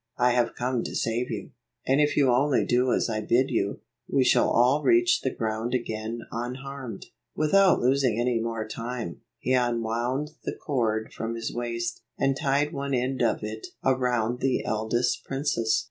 I have come to save you, and if you only do as I bid you, we shall all reach the ground again unharmed." Without losing any more time, he unwound the cord from his waist, and tied one end of it around the eldest princess.